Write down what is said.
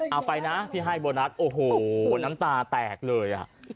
เอาไปนะที่ให้โบนัสโอ้โหน้ำตาแตกเลยอ่ะ